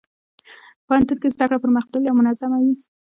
پوهنتون کې زدهکړه پرمختللې او منظمه وي.